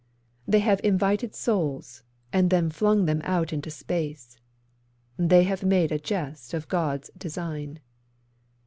They have invited souls, and then flung them out into space; They have made a jest of God's design.